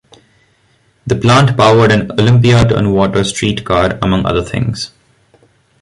The plant powered an Olympia-Tumwater streetcar, among other things.